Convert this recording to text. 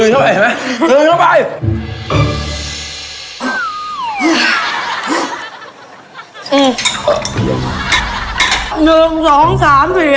เห็นไหมตื่นเข้าไปเห็นไหมตื่นเข้าไป